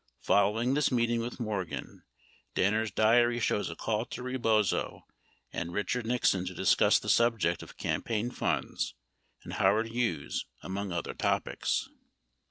21 Following this meeting with Morgan, Danner's diary shows a call to Rebozo and Richard Nixon to discuss the subject of campaign funds and Howard Hughes, among other topics.